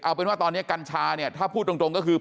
เอาเป็นว่าตอนนี้กัญชาเนี่ยถ้าพูดตรงก็คือ